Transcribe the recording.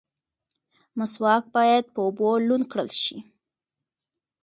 مسواک باید په اوبو لوند کړل شي.